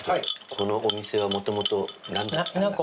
このお店はもともと何だったんですか？